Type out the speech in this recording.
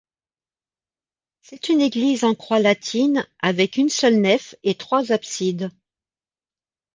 C'est une église en croix latine avec une seule nef et trois absides.